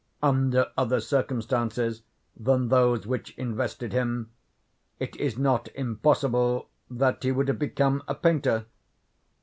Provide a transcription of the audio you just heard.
Under other circumstances than those which invested him, it is not impossible that he would have become a painter.